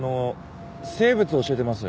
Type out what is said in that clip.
生物を教えてます。